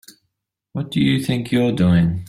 What do you think you're doing?